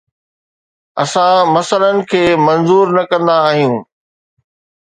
اسان مسئلن کي منظور نه ڪندا آهيون